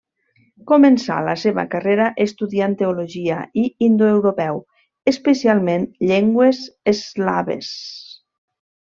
Començà la seva carrera estudiant teologia i indoeuropeu, especialment llengües eslaves.